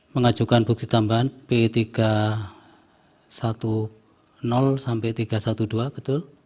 mengajukan bukti tambahan p tiga sampai tiga ratus dua belas betul